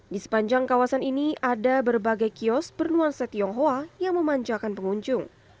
di sepanjang kawasan ini ada berbagai kios bernuansa tionghoa yang memanjakan pengunjung